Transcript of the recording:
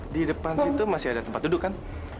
di depan situ masih ada tempat duduk kan